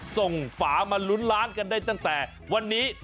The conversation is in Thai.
ฝามาลุ้นล้านกันได้ตั้งแต่วันนี้